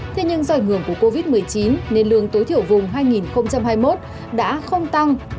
thế nhưng do ảnh hưởng của covid một mươi chín nên lương tối thiểu vùng hai nghìn hai mươi một đã không tăng